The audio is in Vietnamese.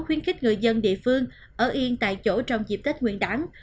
khuyến khích người dân địa phương ở yên tại chỗ trong dịp tết nguyên đáng